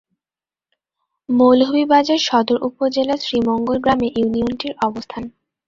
মৌলভীবাজার সদর উপজেলার শ্রীমঙ্গল গ্রামে ইউনিয়নটির অবস্থান।